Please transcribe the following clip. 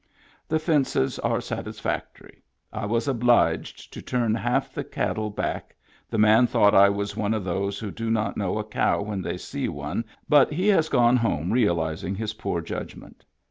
The fences are satisfactory. I was oblidged to turn half the cattle back the man thought I was one of those who do not know a cow when they see one but he has gone home realizing his poor judgment.